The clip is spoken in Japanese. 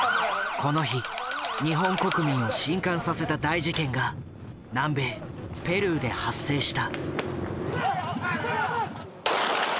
この日日本国民を震撼させた大事件が南米ペルーで発生した。